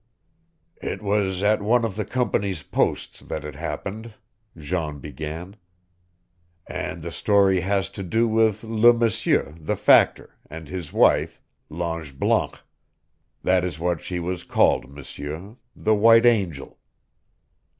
"It was at one of the company's posts that it happened," Jean began, "and the story has to do with Le M'seur, the Factor, and his wife, L'Ange Blanc that is what she was called, M'seur the White Angel.